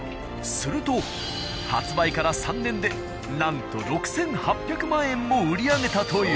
すると発売から３年でなんと６８００万円も売り上げたという。